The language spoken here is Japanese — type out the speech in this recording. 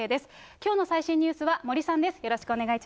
きょうの最新ニュースは森さんです。